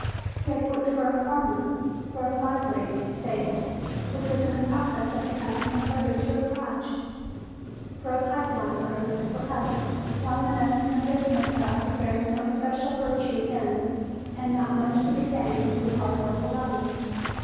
He had worked for a farmer, for a livery stable which was in the process of becoming converted to a garage, for a pipe line crew and for others, long enough to convince himself that there is no special virtue in and not much to be gained through hard work alone.